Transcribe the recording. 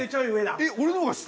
えっ俺の方が下！？